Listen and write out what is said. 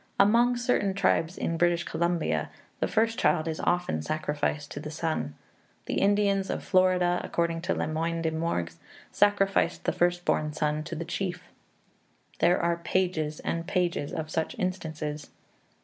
Among certain tribes in British Columbia the first child is often sacrificed to the sun. The Indians of Florida, according to Le Moyne de Morgues, sacrificed the first born son to the chief....'" Op cit., p. 459. There are pages and pages of such instances.